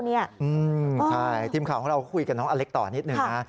ใช่ทีมข่าวของเราคุยกับน้องอเล็กต่อนิดหนึ่งนะ